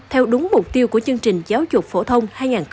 theo đúng mục tiêu của chương trình giáo dục phổ thông hai nghìn một mươi tám